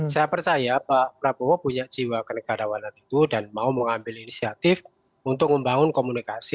saya percaya pak prabowo punya jiwa kenegarawanan itu dan mau mengambil inisiatif untuk membangun komunikasi